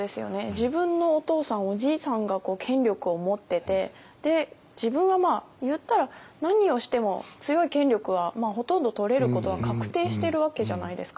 自分のお父さんおじいさんが権力を持ってて自分はまあ言ったら何をしても強い権力はほとんど取れることは確定してるわけじゃないですか。